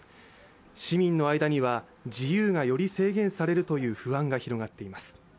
市民の間には自由がより制限されるという不安が広がっています。